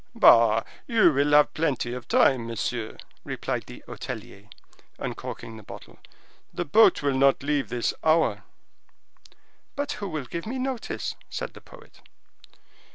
"Bah! you will have plenty of time, monsieur," replied the hotelier, uncorking the bottle, "the boat will not leave this hour." "But who will give me notice?" said the poet.